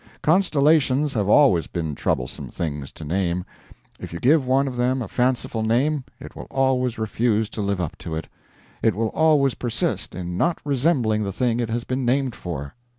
Constellations have always been troublesome things to name. If you give one of them a fanciful name, it will always refuse to live up to it; it will always persist in not resembling the thing it has been named for.